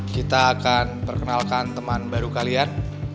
kita akan perkenalkan teman baru kalian